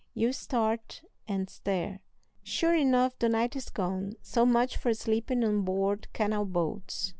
You start and stare. Sure enough, the night is gone. So much for sleeping on board canal boats!